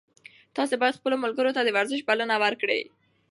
تاسي باید خپلو ملګرو ته د ورزش بلنه ورکړئ.